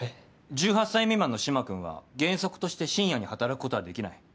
１８歳未満の嶋君は原則として深夜に働くことはできない。